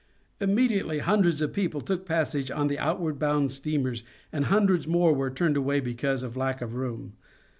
Immediately hundreds of people took passage on the outward bound steamers, and hundreds more were turned away because of lack of room.